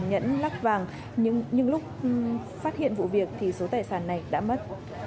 nhẫn lắc vàng nhưng những lúc phát hiện vụ việc thì số tài sản này đã mất